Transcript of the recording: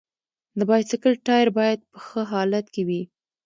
د بایسکل ټایر باید په ښه حالت کې وي.